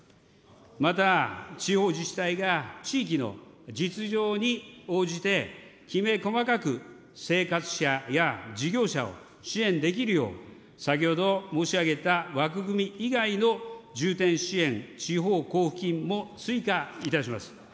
また、地方自治体が地域の実情に応じてきめ細かく生活者や事業者を支援できるよう、先ほど申し上げた枠組み以外の重点支援地方交付金も追加いたします。